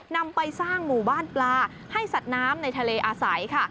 นำไปสร้างหมู่บ้านปลาให้สัตว์น้ำในทะเลอาศัยค่ะ